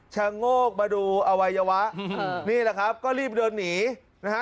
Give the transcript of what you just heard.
โงกมาดูอวัยวะนี่แหละครับก็รีบเดินหนีนะฮะ